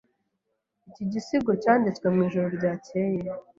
Iki gisigo cyanditswe mwijoro ryakeye.